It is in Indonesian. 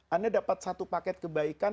anda dapat satu paket kebaikan